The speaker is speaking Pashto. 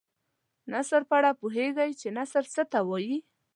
د نثر په اړه پوهیږئ چې نثر څه ته وايي.